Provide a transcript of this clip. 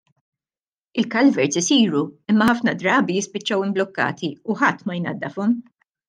Il-culverts isiru imma ħafna drabi jispiċċaw imblukkati u ħadd ma jnaddafhom.